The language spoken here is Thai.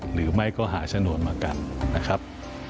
หรือไม่ก็หาชนวนมากันนะครับ